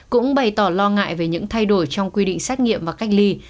cũng bày tỏ lo ngại về những thay đổi trong quy định xét nghiệm và cách ly